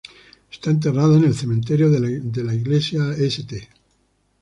Está enterrada en el cementerio de la iglesia St.